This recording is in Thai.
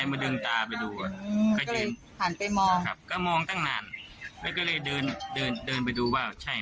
แค่ครึ่งตัว